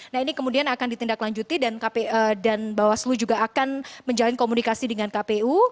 nah ini kemudian akan ditindaklanjuti dan bawaslu juga akan menjalin komunikasi dengan kpu